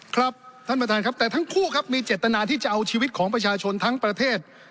ครับท่านประธานครับแต่ทั้งคู่ครับมีเจตนาที่จะเอาชีวิตของประชาชนทั้งประเทศ